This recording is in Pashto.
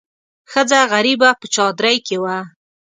ښځه غریبه په چادرۍ کې وه.